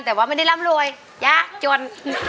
แต่ว่าไม่ได้ร่ำรวยยากจน